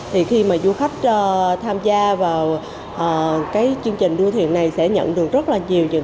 thì khi mà du khách tham gia vào chương trình đua thiền này sẽ nhận được rất là nhiều phần quà hấp dẫn